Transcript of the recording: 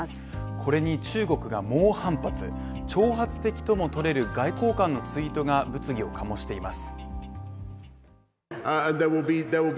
これに中国が猛反発挑発的とも取れる外交官のツイートが物議を醸しています。